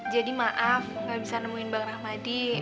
jadi maaf gak bisa nemuin bang rahmadi